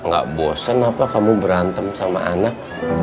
gak bosen apa kamu berantem sama anak